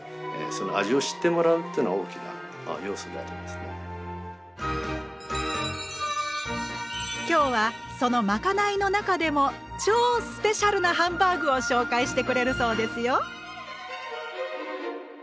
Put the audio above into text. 実際に今日はそのまかないの中でも超スペシャルなハンバーグを紹介してくれるそうですよ。